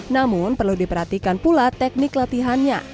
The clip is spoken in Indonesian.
namun perlu diperhatikan pula teknik latihannya